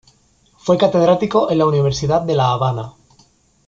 Fue catedrático en la Universidad de la Habana.